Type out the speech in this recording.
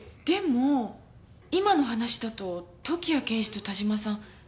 でも今の話だと時矢刑事と但馬さん